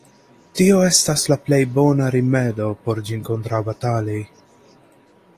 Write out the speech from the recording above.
Tio estas la plej bona rimedo por ĝin kontraŭbatali.